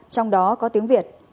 trong đó có tiếng việt